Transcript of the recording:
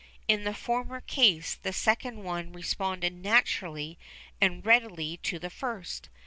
In the former case the second one responded naturally and readily to the first.